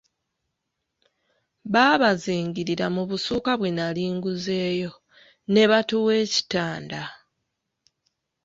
Baabazingirira mu busuuka bwe nali nguzeeyo, ne batuwa ekitanda.